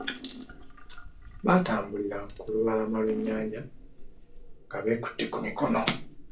Baatambulira ku lubalama lw'ennyanja nga beekute ku mikono.